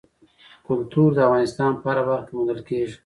کلتور د افغانستان په هره برخه کې موندل کېږي.